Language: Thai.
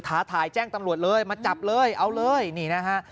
ท้าทายแจ้งตำรวจเลยมาจับเลยเอาเลยนี่นะฮะ